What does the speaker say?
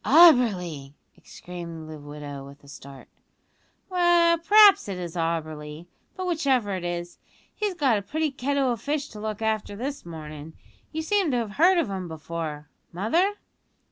"Auberly!" exclaimed the widow, with a start. "Well, p'raps it is Auberly; but whichever it is, he's got a pretty kettle o' fish to look after this mornin'. You seem to have heard of him before, mother?"